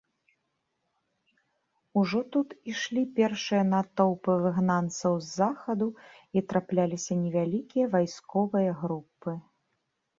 Ужо тут ішлі першыя натоўпы выгнанцаў з захаду і трапляліся невялікія вайсковыя групы.